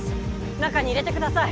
中に入れてください